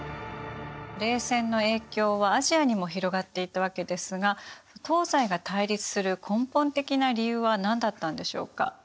冷戦の影響はアジアにも広がっていたわけですが東西が対立する根本的な理由は何だったんでしょうか？